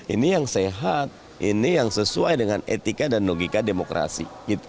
ini yang sehat ini yang sesuai dengan etika dan logika demokrasi